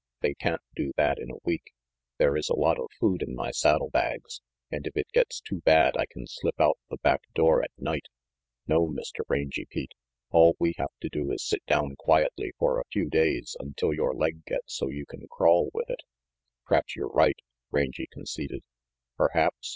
They can't do that in a week. There is a lot of food in my saddle bags, and if it gets too bad I can slip out the back door at night. No, Mr. Rangy Pete, all we have to do is to sit down quietly for a few days until your leg gets so you can crawl with it." "P'raps yer right," Rangy conceded. "Perhaps?